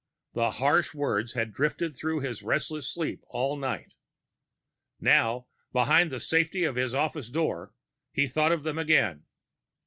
The harsh words had drifted through his restless sleep all night. Now, behind the safety of his office door, he thought of them again.